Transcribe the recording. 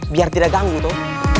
biar tidak ganggu toh